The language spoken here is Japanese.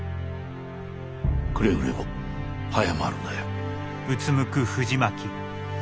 くれぐれも早まるなよ。